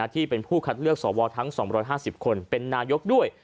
ที่เป็นผู้คัดเลือกสวทั้ง๒๕๐คนเป็นนายกด้วย